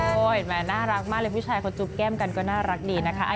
เห็นไหมน่ารักมากเลยผู้ชายเขาจุ๊บแก้มกันก็น่ารักดีนะคะ